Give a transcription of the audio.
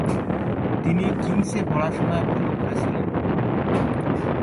তিনি কিংসে পড়াশুনায় ভাল করেছিলেন।